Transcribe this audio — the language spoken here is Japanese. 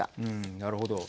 なるほど。